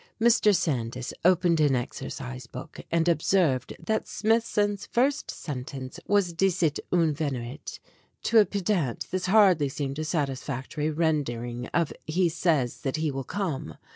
Mr. Sandys opened an exercise book and observed that Smithson's first sentence was "dicit ut veniret." To a pedant this hardly seemed a satisfactory render ing of "he says that he will come."